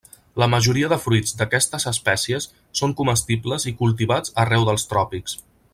La majoria de fruits d'aquestes espècies són comestibles i cultivats arreu dels tròpics.